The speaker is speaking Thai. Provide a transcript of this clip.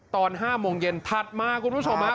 ตอน๕โมงเย็นถัดมาคุณผู้ชมฮะ